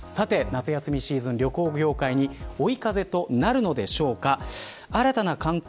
夏休みシーズン、旅行業界に追い風となるのでしょうか。